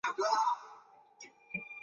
国会原在费城的国会厅集会了。